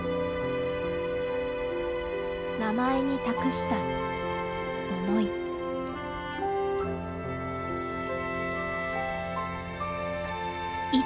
名前に託した思い。